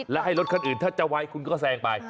และให้รถคันอื่นถ้าจะไว้คุณก็แซงไป